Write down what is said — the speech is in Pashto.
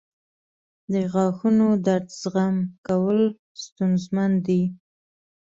• د غاښونو درد زغم کول ستونزمن دي.